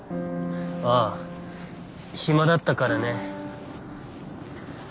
ああ暇だったからね。